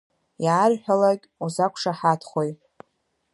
Иаарҳәалак узақәшаҳаҭхои?!